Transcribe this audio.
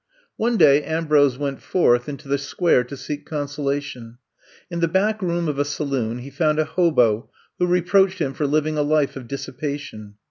One day Ambrose went forth into the Square to seek consolation. In the back room of a saloon he found a hobo who re proached him for living a life of dissipa tion.